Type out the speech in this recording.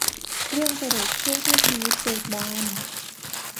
เรื่องตลกช่วยให้ชีวิตเบิกบาน